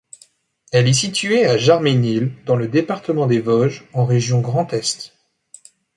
Elle est située à Jarménil, dans le département des Vosges, en région Grand Est.